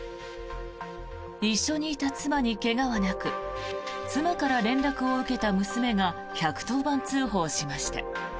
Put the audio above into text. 一緒にいた妻に怪我はなく妻から連絡を受けた娘が１１０番通報しました。